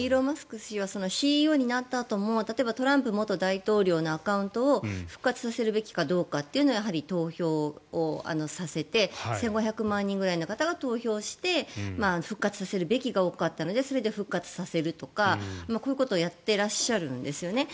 氏はＣＥＯになったあとも例えばトランプ前大統領のアカウントを復活させるべきかどうかというのをやはり投票させて１５００万人ぐらいの方が投票して復活させるという方が多かったのでそれで復活させるとかこういうことをやってらっしゃるんですよね。